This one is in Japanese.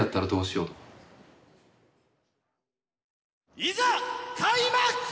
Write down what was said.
いざ開幕！